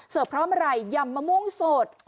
เสิร์ฟพร้อมอะไรยำมะมุ้งสด